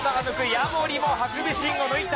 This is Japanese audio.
ヤモリもハクビシンを抜いた。